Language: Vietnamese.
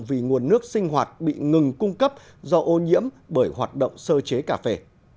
vì nguồn nước sinh hoạt bị ngừng cung cấp do ô nhiễm bởi hoạt động sơ chế cà phê